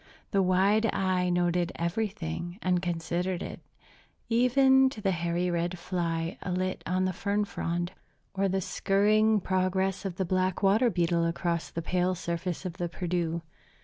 The wide eye noted everything, and considered it, even to the hairy red fly alit on the fern frond, or the skirring progress of the black water beetle across the pale surface of the Perdu.